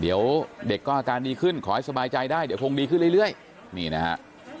เดี๋ยวเด็กก็อาการดีขึ้นขอให้สบายใจได้เดี๋ยวคงดีขึ้นเรื่อยนี่นะฮะ